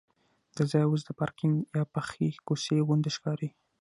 دا ځای اوس د پارکینک یا پخې کوڅې غوندې ښکاري.